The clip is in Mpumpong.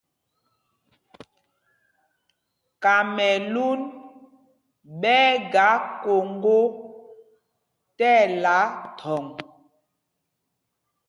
Kamɛlûn ɓɛ́ ɛ́ ga Koŋgō tí ɛla thɔ̂ŋ.